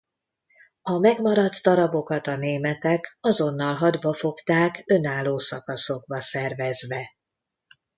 A megmaradt darabokat a németek azonnal hadba fogták önálló szakaszokba szervezve.